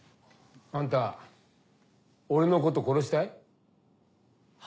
あんた俺のこと殺したい？は？